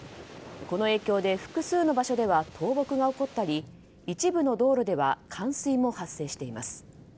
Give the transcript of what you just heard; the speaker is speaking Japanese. この影響で、複数の場所では倒木が起こったり一部の道路では冠水も発生しています。